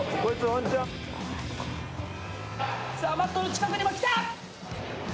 マットの近くにも来た！